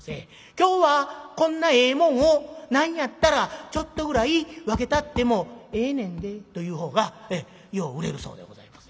「今日はこんなええもんを何やったらちょっとぐらい分けたってもええねんで」と言う方がよう売れるそうでございます。